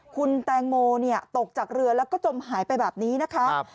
คุณแตงโมตกจากเรือแล้วก็จมหายไปแบบนี้นะคะ